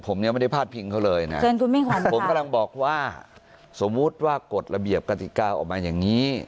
ผมยังไม่ได้พาดพิงเขาเลยนะเชิญคุณมิ่งขวัญผมกำลังบอกว่าสมมุติว่ากฎระเบียบกติกาออกมาอย่างนี้